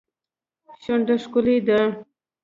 شونډه ښکلې دي.